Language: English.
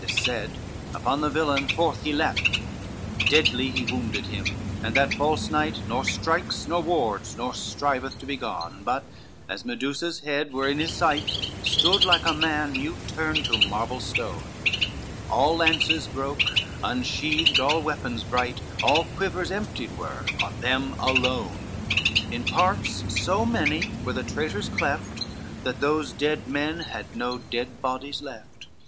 This said, upon the villain forth he leapt; LXVI Deadly he wounded him, and that false knight Nor strikes nor wards nor striveth to be gone; But, as Medusa's head were in his sight, Stood like a man new turned to marble stone, All lances broke, unsheathed all weapons bright, All quivers emptied were on them alone, In parts so many were the traitors cleft, That those dead men had no dead bodies left.